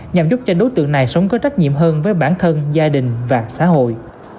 nhằm giúp cho đối tượng này sống có trách nhiệm hơn với bản thân gia đình và xã hội